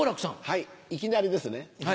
はい「いきなり」ですね？